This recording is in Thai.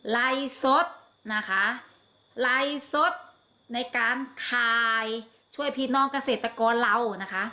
ไลซดนะคะในการทายช่วยพี่น้องกาเสธกรเรานะคะ